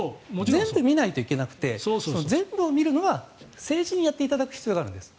全部見ないといけなくて全部見るのは政治にやっていただく必要があるんです。